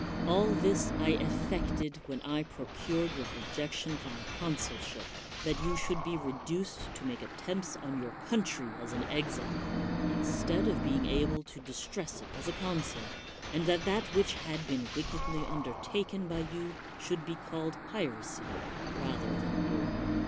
All this I eflfected when I procured your rejection 108 CICERO from the consulship, that you should be reduced to make attempts on your country as an exile, in stead of being able to distress it as consul, and that that which had been wickedly undertaken by you should be called piracy rather than war.